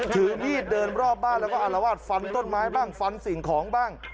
ถือมีดเดินรอบบ้านแล้วก็อารวาสฟันต้นไม้บ้างฟันสิ่งของบ้าง